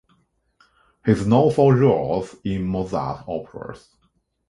He is known for roles in Mozart operas.